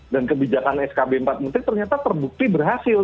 dan kebijakan skb empat menteri ternyata terbukti berhasil